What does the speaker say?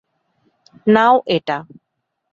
নাও এটা।